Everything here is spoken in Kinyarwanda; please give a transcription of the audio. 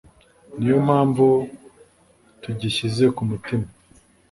niyo mpamvu tugishyize ku mutima